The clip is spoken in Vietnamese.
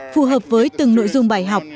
phù hợp với từng nội dung của mình